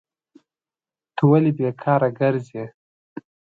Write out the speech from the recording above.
ته ولي بیکاره کرځي؟